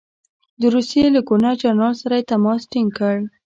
د روسیې له ګورنر جنرال سره یې تماس ټینګ کړ.